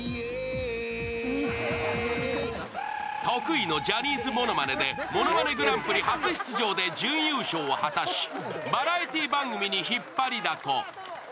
得意のジャニースものまねで「ものまねグランプリ」初出場で準優勝を果たしバラエティー番組に引っ張りだこ。